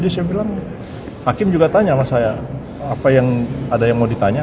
dia bilang hakim juga tanya sama saya apa yang ada yang mau ditanya